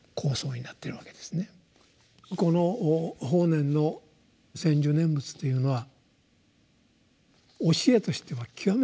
この法然の専修念仏というのは教えとしては極めて簡単ですね。